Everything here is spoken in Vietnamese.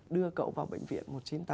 đưa cậu vào bệnh viện một trăm chín mươi tám